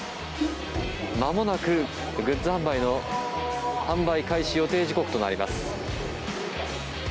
まもなくグッズ販売の販売開始予定時刻となります。